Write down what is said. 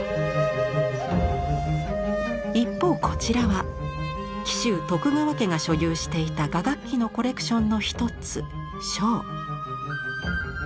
一方こちらは紀州徳川家が所有していた雅楽器のコレクションの一つ笙。